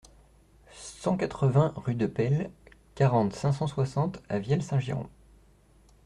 cent quatre-vingts rue de Paile, quarante, cinq cent soixante à Vielle-Saint-Girons